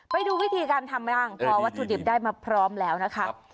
ไปดูวิธีการทำบ้างพอวัตถุดิบได้มาพร้อมแล้วนะคะ